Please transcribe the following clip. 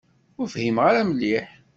Ur fhimeɣ ara mliḥ.